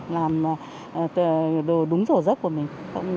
làm đồ đúng rổ rớt của mình